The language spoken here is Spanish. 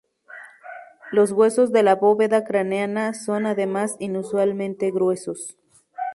Los huesos de la bóveda craneana son además inusualmente gruesos.